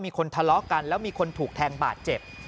มีคนทะเลาะกันแล้วมีคนถูกแทงบาดเจ็บ